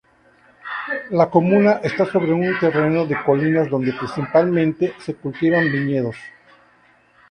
La comuna está sobre un terreno de colinas donde principalmente se cultivan viñedos.